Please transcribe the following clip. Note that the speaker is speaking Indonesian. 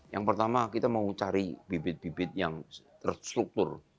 yang pertama kita mau cari bibit bibit yang terstruktur